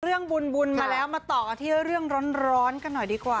เรื่องบุญมาแล้วมาต่อกันที่เรื่องร้อนกันหน่อยดีกว่า